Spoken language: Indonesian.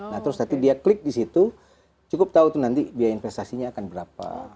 nah terus dia klik disitu cukup tahu nanti biaya investasinya akan berapa